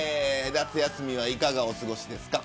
夏休みはいかがお過ごしですか。